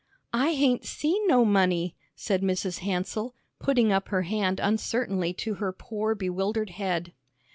"I hain't seen no money," said Mrs. Hansell, putting up her hand uncertainly to her poor bewildered head.